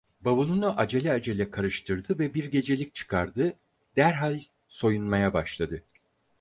Bavulunu acele acele karıştırdı ve bir gecelik çıkardı; derhal soyunmaya başladı.